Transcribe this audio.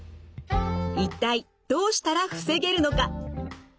一体どうしたら防げるのか？